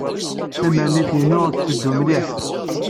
Tamrint-inu tetteddu mliḥ.